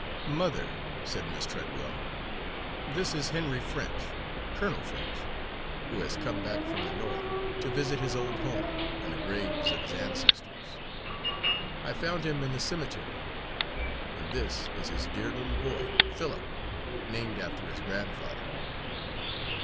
"Mother," said Miss Treadwell, "this is Henry French Colonel French who has come back from the North to visit his old home and the graves of his ancestors. I found him in the cemetery; and this is his dear little boy, Philip named after his grandfather."